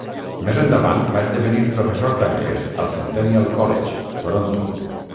Més endavant va esdevenir professor d'anglès al Centennial College, Toronto.